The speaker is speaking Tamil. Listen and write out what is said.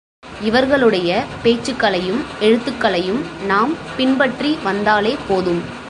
இவர்களுடைய பேச்சுக்களையும், எழுத்துக்களையும் நாம் பின்பற்றி வந்தாலே போதும்.